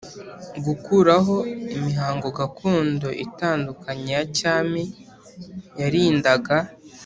Gukuraho imihango gakondo itandukanye ya cyami yarindaga